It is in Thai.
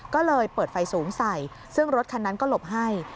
ก็เลยเปิดไฟสูงใส่ซึ่งรถคันนั้นก็หลบให้